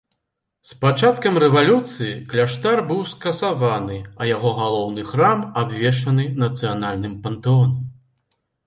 З пачаткам рэвалюцыі кляштар быў скасаваны, а яго галоўны храм абвешчаны нацыянальным пантэонам.